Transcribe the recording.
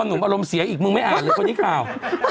หนุ่มอารมณ์เสียอีกมึงไม่อ่านเลยคนนี้ข่าว